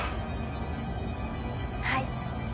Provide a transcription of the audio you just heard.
「はい。